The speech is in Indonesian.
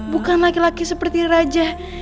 bukan laki laki seperti raja